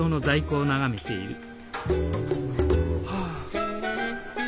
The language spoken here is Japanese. はあ。